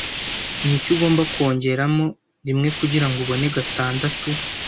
Niki ugomba kongeramo rimwe kugirango ubone gatadatu?